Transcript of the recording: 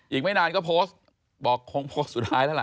อีกไม่นานก็โพสต์บอกคงโพสต์สุดท้ายแล้วล่ะ